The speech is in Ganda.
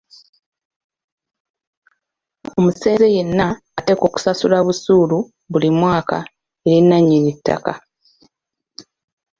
Omusenze yenna ateekwa okusasula busuulu buli mwaka eri nnannyini ttaka.